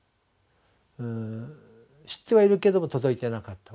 知ってはいるけども届いてなかった。